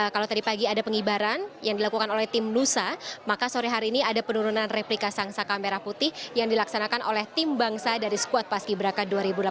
kalau tadi pagi ada pengibaran yang dilakukan oleh tim nusa maka sore hari ini ada penurunan replika sang saka merah putih yang dilaksanakan oleh tim bangsa dari skuad paski beraka dua ribu delapan belas